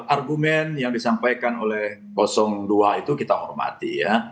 argumen yang disampaikan oleh dua itu kita hormati ya